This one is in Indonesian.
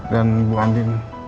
dan bu andin